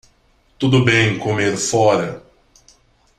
Tudo bem comer fora.